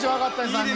３人。